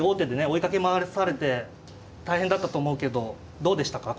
追いかけ回されて大変だったと思うけどどうでしたか